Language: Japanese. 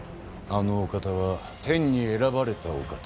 あのお方は天に選ばれたお方。